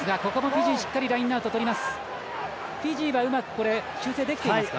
フィジーはうまく修正できていますか？